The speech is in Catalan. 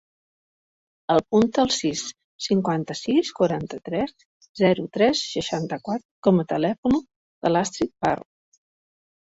Apunta el sis, cinquanta-sis, quaranta-tres, zero, tres, seixanta-quatre com a telèfon de l'Astrid Parro.